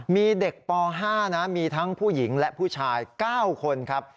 มีเด็กป๕นะมีทั้งผู้หญิงและผู้ชาย๙คนครับ